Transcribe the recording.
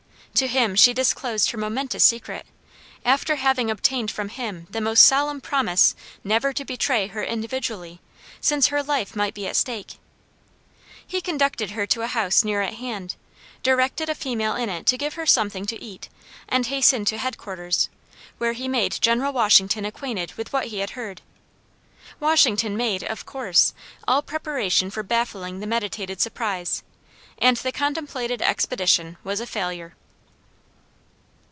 To him she disclosed her momentous secret, after having obtained from him the most solemn promise never to betray her individually, since her life might be at stake. He conducted her to a house near at hand, directed a female in it to give her something to eat, and hastened to head quarters, where he made General Washington acquainted with what he had heard. Washington made, of course, all preparation for baffling the meditated surprise, and the contemplated expedition was a failure.